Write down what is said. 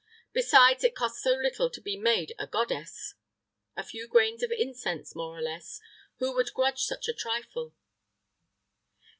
Besides, it cost so little to be made a goddess! A few grains of incense, more or less, who would grudge such a trifle?